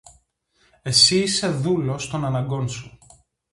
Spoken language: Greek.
Εσύ είσαι δούλος των αναγκών σου.